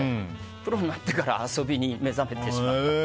プロになってから遊びに目覚めてしまって。